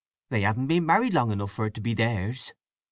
"They haven't been married long enough for it to be theirs!"